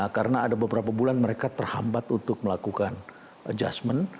karena ada beberapa bulan mereka terhambat untuk melakukan adjustment